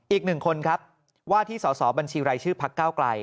อีกหนึ่งคนครับว่าที่สอสอบัญชีรายชื่อพักเก้าไกล